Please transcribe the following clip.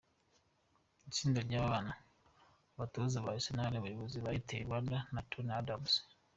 Itsinda ry’aba bana, abatoza ba Arsenal, abayobozi ba Airtel Rwanda na Tony Adams.